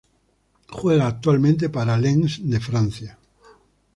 Él juega actualmente para Lens de Francia.